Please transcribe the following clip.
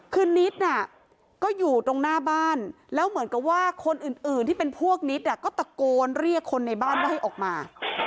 คือนิดน่ะก็อยู่ตรงหน้าบ้านแล้วเหมือนกับว่าคนอื่นที่เป็นพวกนิดก็ตะโกนเรียกคนในบ้านว่าให้ออกมา